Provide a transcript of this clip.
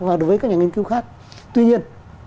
và đối với các nhà nghiên cứu khác tuy nhiên